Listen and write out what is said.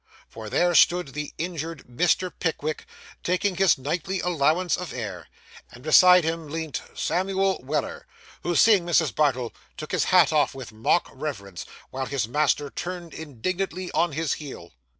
For there stood the injured Mr. Pickwick, taking his nightly allowance of air; and beside him leant Samuel Weller, who, seeing Mrs. Bardell, took his hat off with mock reverence, while his master turned indignantly on his heel.